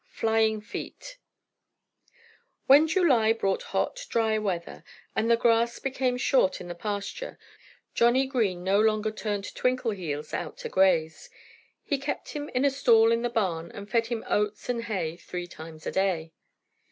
V FLYING FEET When July brought hot, dry weather and the grass became short in the pasture Johnnie Green no longer turned Twinkleheels out to graze. He kept him in a stall in the barn and fed him oats and hay three times a day.